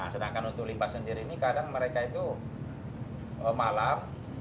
sedangkan untuk limbah sendiri ini kadang mereka itu malam